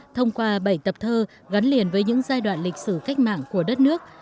thông qua bảy tập thơ gắn liền với những giai đoạn lịch sử cách mạng của đất nước